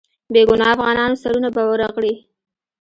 بې ګناه افغانانو سرونه به ورغړي.